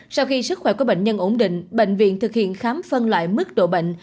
sau khi sức khỏe của bệnh nhân ổn định bệnh viện thực hiện khám phân loại mức độ bệnh